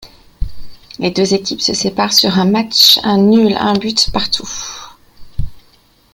Les deux équipes se séparent sur un match un nul un but partout.